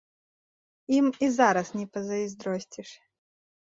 Ім і зараз не пазайздросціш.